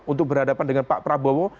untuk berhadapan dengan pak prabowo